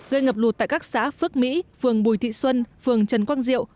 gây ngập lụt tại các xã phước mỹ phường bùi thị xuân phường trần quang diệu